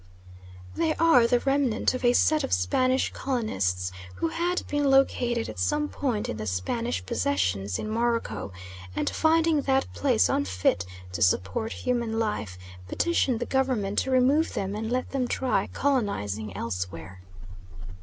They are the remnant of a set of Spanish colonists, who had been located at some spot in the Spanish possessions in Morocco, and finding that place unfit to support human life, petitioned the Government to remove them and let them try colonising elsewhere.